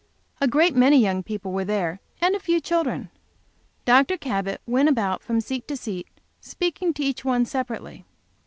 A great many young people were there and a few children. Dr. Cabot went about from seat to seat speaking to each one separately.